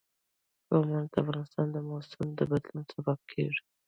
قومونه د افغانستان د موسم د بدلون سبب کېږي.